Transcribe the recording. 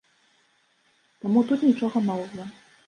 Таму тут нічога новага.